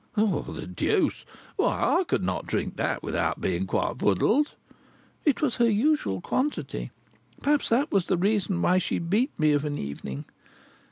"The deuce! Why, I could not drink that without being quite fuddled!" "It was her usual quantity; perhaps that was the reason why she beat me of an evening.